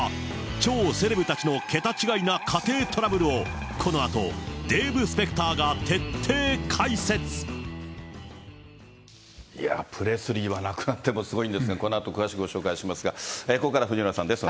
超セレブたちの桁違いな家庭トラブルを、このあと、デーブ・スペいや、プレスリーは亡くなってもすごいんですが、このあと、詳しくご紹介しますが、ここからは藤村さんです。